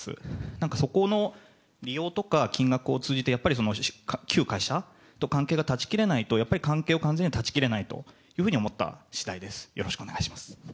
なんかそこの利用とか金額を通じて、やっぱり旧会社と関係が断ち切れないと、やっぱり関係を完全には断ち切れないと思ったしだいです。